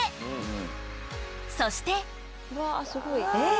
［そして］え！